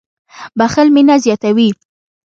• بښل مینه زیاتوي.